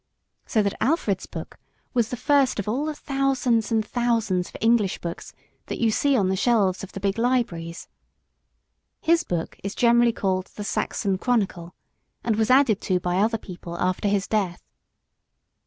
So that Alfred's book was the first of all the thousands and thousands of English books that you see on the shelves of the big libraries. His book is generally called the Saxon Chronicle, and was added to by other people after his death.